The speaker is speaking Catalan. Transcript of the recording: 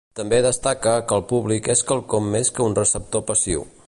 També destaca que el públic és quelcom més que un receptor passiu.